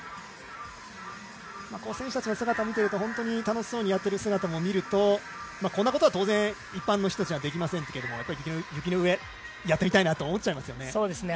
選手たちの姿を見ていると楽しそうにやっている姿を見るとこんなことは当然、一般の人たちにはできませんけれども雪の上、やってみたいなと思っちゃいますよね。